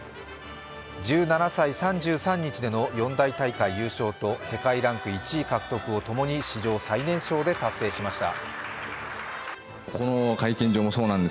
１７歳３３日での四大大会優勝と世界ランク１位獲得をともに史上最年少で達成しました。